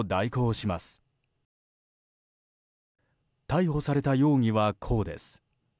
逮捕された容疑は、こうです。